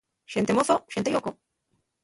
Xente mozo, xente lloco.